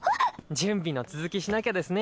準備の続きしなきゃですね